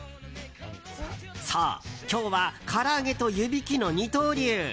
そう、今日はから揚げと湯引きの二刀流。